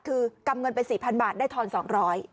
คือกำเงินไป๔๐๐บาทได้ทอน๒๐๐บาท